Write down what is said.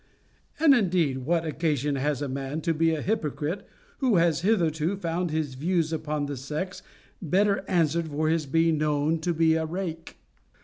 And indeed, what occasion has a man to be an hypocrite, who has hitherto found his views upon the sex better answered for his being known to be a rake?